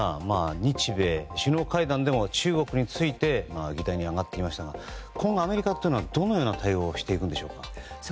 日米首脳会談でも中国について議題に上がっていましたが今後、アメリカというのはどのような対応をしていくんでしょうか？